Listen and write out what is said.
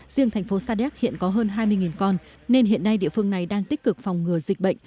riêng thành phố sa đéc hiện có hơn hai mươi con nên hiện nay địa phương này đang tích cực phòng ngừa dịch bệnh